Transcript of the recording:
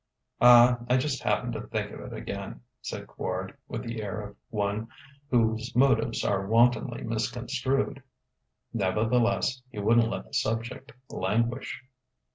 "Ah, I just happened to think of it again," said Quard with the air of one whose motives are wantonly misconstrued. Nevertheless, he wouldn't let the subject languish.